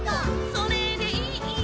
「それでいい」